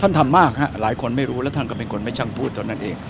ท่านทำมาร์คหภาพหลายคนไม่รู้และท่านก็เป็นคนไม่ช่างพูดตอนนั้นเอง